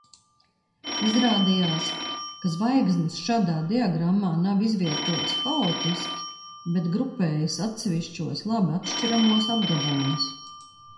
Izrādījās, ka zvaigznes šādā diagrammā nav izvietotas haotiski, bet grupējas atsevišķos labi atšķiramos apgabalos.